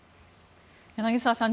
柳澤さん